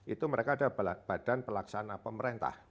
itu mereka ada badan pelaksana pemerintah